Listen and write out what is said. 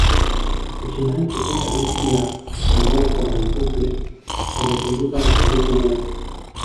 Ushindani kutoka nchi ya Moroko na Ethiopia umepunguza umaarufu huu